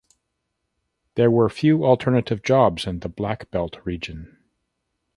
There were few alternative jobs in the Black Belt region.